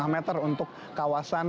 lima meter untuk kawasan